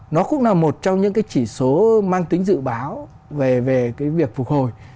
nó cũng là một trong những chỉ số mang tính dự báo về việc phục hồi